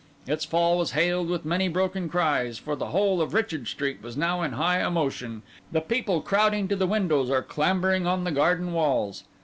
Its fall was hailed with many broken cries; for the whole of Richard Street was now in high emotion, the people crowding to the windows or clambering on the garden walls.